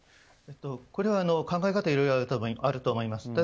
これは、考え方がいろいろあると思います。